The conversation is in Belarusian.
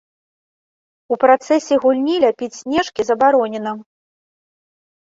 У працэсе гульні ляпіць снежкі забаронена.